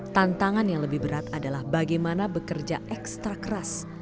tantangan yang lebih berat adalah bagaimana bekerja ekstra keras